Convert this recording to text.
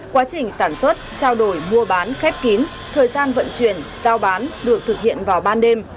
quá trình sản xuất trao đổi mua bán khép kín thời gian vận chuyển giao bán được thực hiện vào ban đêm